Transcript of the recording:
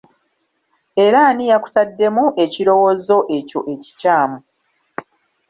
Era ani yakutaddemu ekirowoozo ekyo ekikyamu?